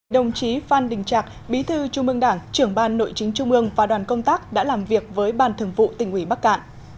đồng chí phan đình trạc bí thư trung ương đảng trưởng ban nội chính trung ương và đoàn công tác đã làm việc với ban thường vụ tỉnh ủy bắc cạn